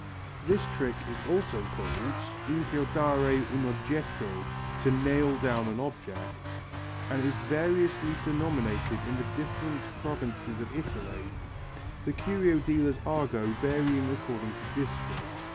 This trick is also called inchiodare un oggetto (to nail down an object), and is variously denominated in the different provinces of Italy, the curio dealers' argot varying according to district.